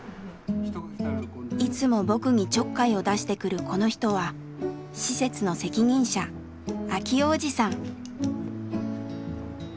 いつも僕にちょっかいを出してくるこの人は施設の責任者明男おじさん。